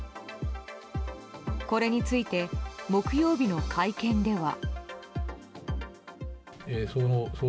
これについて木曜日の会見では。